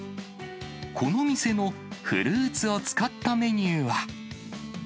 この店のフルーツを使ったメニューは。